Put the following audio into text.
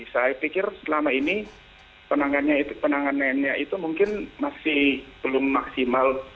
saya pikir selama ini penanganannya itu mungkin masih belum maksimal